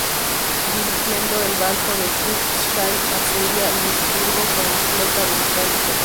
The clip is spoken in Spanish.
Dirigiendo el barco de Cook, Shay asedia Luisburgo con la flota británica.